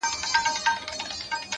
زما د سيمي د ميوند شاعري ـ